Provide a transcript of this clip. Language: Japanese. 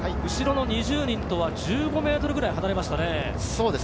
渡辺さん、後ろの２０人とは１５ｍぐらい離れましたね。